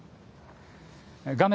画面